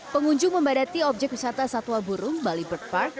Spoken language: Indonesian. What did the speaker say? pengunjung membadati objek wisata satwa burung bali bird park